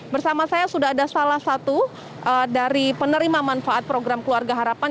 bersama saya sudah ada salah satu dari penerima manfaat program keluarga harapan